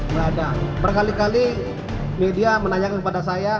nggak ada berkali kali media menanyakan kepada saya